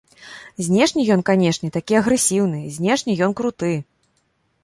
Знешне ён, канешне, такі агрэсіўны, знешне ён круты.